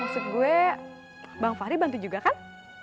maksud gue bang fahri bantu juga kan